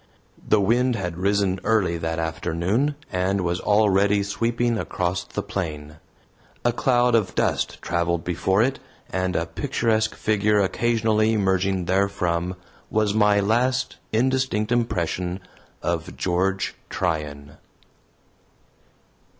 The wind had risen early that afternoon, and was already sweeping across the plain. A cloud of dust traveled before it, and a picturesque figure occasionally emerging therefrom was my last indistinct impression of George Tryan.